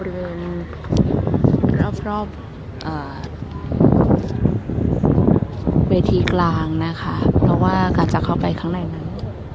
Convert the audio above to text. เดินรอบเวทีกลางนะคะเพราะว่าการจะเข้าไปข้างในนั้น